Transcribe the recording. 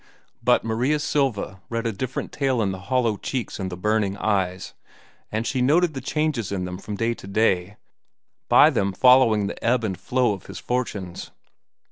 But Maria Silva read a different tale in the hollow cheeks and the burning eyes, and she noted the changes in them from day to day, by them following the ebb and flow of his fortunes.